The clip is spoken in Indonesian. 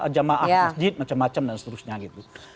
jamaah masjid macam macam dan seterusnya gitu